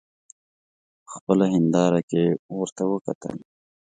په خپله هینداره کې ورته وکتل.